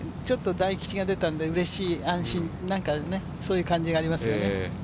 大吉が出たのでうれしい、安心、そういう感じがありますよね。